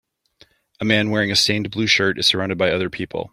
A man wearing a stained blue shirt is surrounded by other people.